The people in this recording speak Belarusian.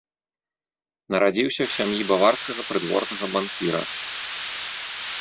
Нарадзіўся ў сям'і баварскага прыдворнага банкіра.